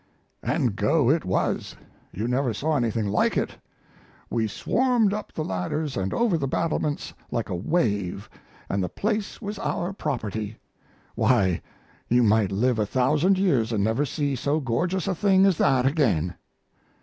And go it was. You never saw anything like it. We swarmed up the ladders and over the battlements like a wave and the place was our property. Why, one might live a thousand years and never see so gorgeous a thing as that again....